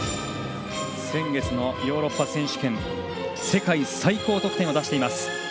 先月のヨーロッパ選手権で世界最高得点を出しています。